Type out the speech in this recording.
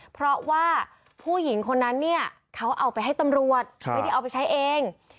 เพราะว่าผู้หญิงคนนั้นเนี่ยเขาเอาไปให้ตำรวจไม่ได้เอาไปใช้เอง